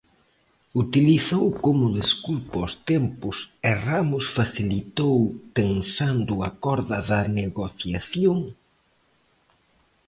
Utilizou como desculpa os tempos e Ramos facilitou tensando a corda da negociación?